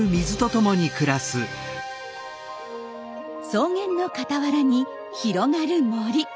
草原の傍らに広がる森。